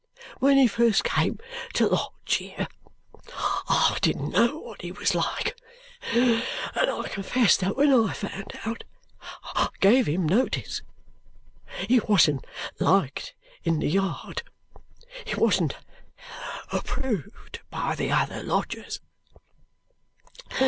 When he first came to lodge here, I didn't know what he was, and I confess that when I found out I gave him notice. It wasn't liked in the yard. It wasn't approved by the other lodgers.